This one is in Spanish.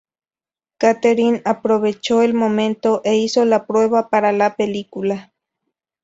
Katherine aprovechó el momento e hizo la prueba para la película.